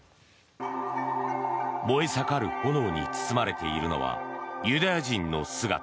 燃え盛る炎に包まれているのはユダヤ人の姿。